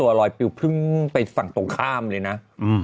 ตัวบริวไปฝั่งตรงข้ามเลยนะมึง